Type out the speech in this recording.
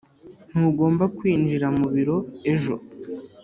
ntugomba kwinjira mu biro ejo.